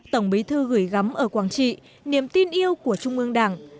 tổng bí thư gửi gắm ở quảng trị niềm tin yêu của trung ương đảng